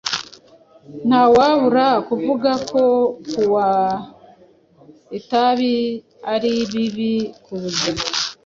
Ntawabura kuvuga ko kuwa itabi ari bibi kubuzima.